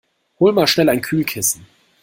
Hol mal schnell ein Kühlkissen!